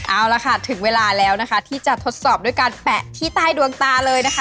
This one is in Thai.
เอาละค่ะถึงเวลาแล้วนะคะที่จะทดสอบด้วยการแปะที่ใต้ดวงตาเลยนะคะ